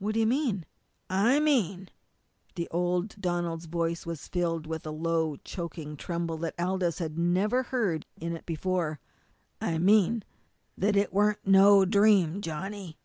"What do you mean?" "I mean" and old Donald's voice was filled with a low, choking tremble that Aldous had never heard in it before "I mean that it weren't no dream, Johnny!